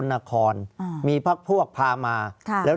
ภารกิจสรรค์ภารกิจสรรค์